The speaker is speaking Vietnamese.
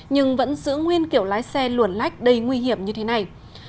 nhưng vẫn giữ nguyên kiểu lái xe luồn lách đầy nguy hiểm như thế này